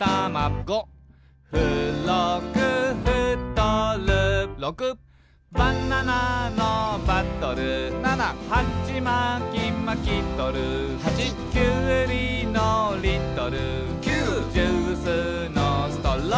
「ご」「ふろくふとる」「ろく」「バナナのバトル」「ナナ」「はちまきまきとる」「はち」「きゅうりのリトル」「きゅう」「ジュースのストロー」